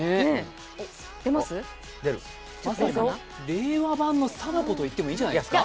令和版の貞子と言ってもいいんじゃないですか。